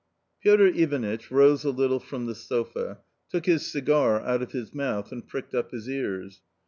Piotr Ivanitch rose a little from the sofa, took his cigar out of his mouth and pricked up his ears.